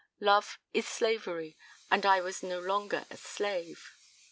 Love is slavery, and I was no longer a slave.